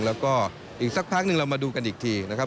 แล้วก็อีกสักพักหนึ่งเรามาดูกันอีกทีนะครับ